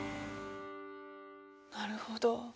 なるほど。